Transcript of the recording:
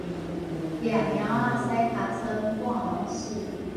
掠貓仔駛尻川，半路死